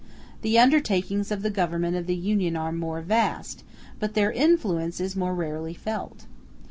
The undertakings of the Government of the Union are more vast, but their influence is more rarely felt.